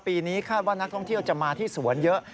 ปีนี้คาดว่านักท่องเที่ยวจะมาที่สวนเยอะ